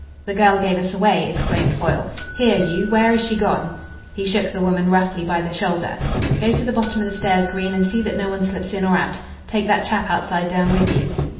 "The girl gave us away," exclaimed Foyle. "Here, you, where is she gone?" He shook the woman roughly by the shoulder. "Go to the bottom of the stairs, Green, and see that no one slips in or out. Take that chap outside down with you."